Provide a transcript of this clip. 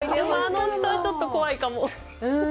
でも、あの大きさはちょっと怖いかも。